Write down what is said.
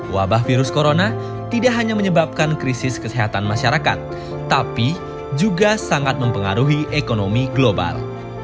wabah virus corona tidak hanya menyebabkan krisis kesehatan masyarakat tapi juga sangat mempengaruhi ekonomi global